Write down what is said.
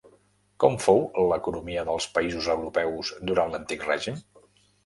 Com fou l'economia dels països europeus durant l'antic règim?